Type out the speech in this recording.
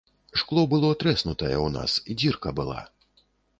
Шкло было трэснутае ў нас, дзірка была.